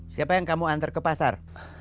siapa yang kamu antar ke pasar